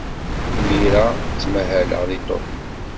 Imir-a, ttmahaleɣ deg Tokyo.